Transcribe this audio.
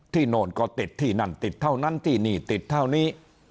โน่นก็ติดที่นั่นติดเท่านั้นที่นี่ติดเท่านี้